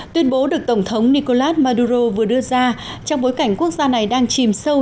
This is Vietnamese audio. tuyên bố được tổng thống nicolas maduro vừa đưa ra trong bối cảnh quốc gia này đang chìm sâu